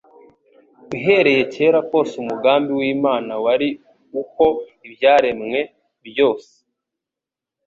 Uhereye kera kose umugambi w'Imana wari uko ibyaremwe byose,